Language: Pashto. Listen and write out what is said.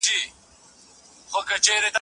د هغې غونډې ګډونوال ډېر وه.